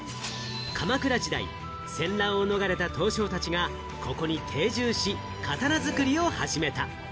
鎌倉時代、戦乱を逃れた刀匠たちが、ここに定住し、刀作りを始めた。